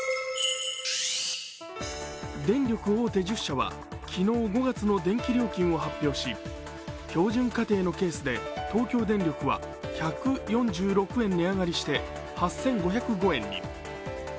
電力大手１０社は昨日、５月の電気料金を発表し標準家庭のケースで東京電力は１４６円値上がりして８５０５円に。